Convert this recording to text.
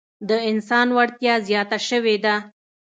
د انسان وړتیا زیاته شوې ده.